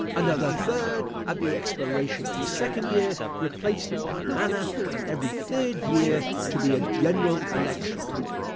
Another third at the expiration of the second year replaced in like manner, and every third year to be a general election.